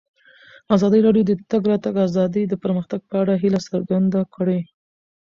ازادي راډیو د د تګ راتګ ازادي د پرمختګ په اړه هیله څرګنده کړې.